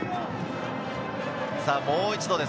もう一度です。